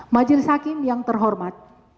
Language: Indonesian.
majelis hakim yang terhormat